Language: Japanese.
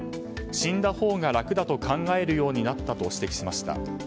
死んだほうが楽だと考えるようになったと指摘しました。